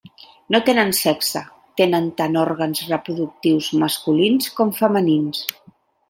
No tenen sexe, tenen tant òrgans reproductius masculins com femenins.